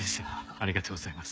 ありがとうございます。